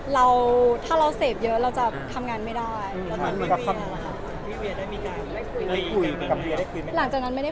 เราเพราะถ้าเราเสพเยอะจะทำงานไม่ได้